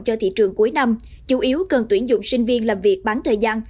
cho thị trường cuối năm chủ yếu cần tuyển dụng sinh viên làm việc bán thời gian